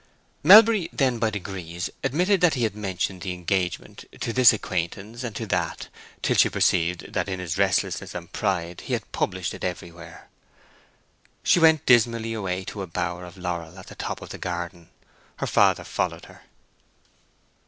Melbury then by degrees admitted that he had mentioned the engagement to this acquaintance and to that, till she perceived that in his restlessness and pride he had published it everywhere. She went dismally away to a bower of laurel at the top of the garden. Her father followed her.